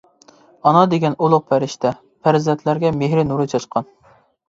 ئانا دېگەن ئۇلۇغ پەرىشتە، پەرزەنتلەرگە مېھرى نۇر چاچقان.